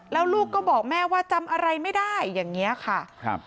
แล้วลูกก็บอกแม่ว่าจำอะไรไม่ได้อย่างเงี้ยค่ะครับ